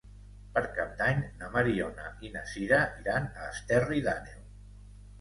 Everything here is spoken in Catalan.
Per Cap d'Any na Mariona i na Sira iran a Esterri d'Àneu.